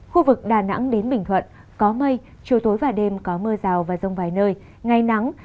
khu vực đà nẵng đến bình thuận có mây chiều tối và đêm có mưa rào và rông vài nơi ngày nắng